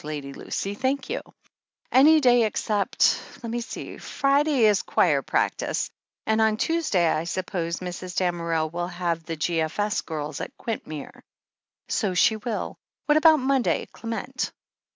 Lady Lucy, thank you. Any day except — ^let me see, Friday is choir practice, and on Tuesday I suppose Mrs. Damerel will have the G.F.S. girls at Quintmere?" "So she will. What about Monday, Clement?"